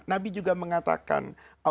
nabi juga mengatakan